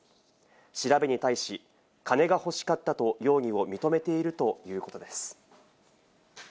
調べに対し金が欲しかったと容疑を認めているということです。